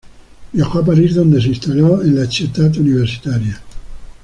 Viajó a París donde se instaló en la Ciutat Universitaria.